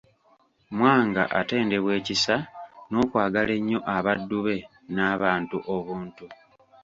Mwanga atendebwa ekisa n'okwagala ennyo abaddu be n'abantu obuntu.